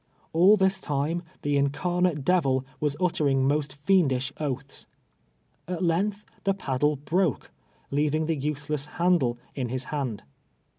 All this time, the incarnate devil was utter ing most fiendish oaths. At length the paddle Ijroke, leaving the useless handle in his hand.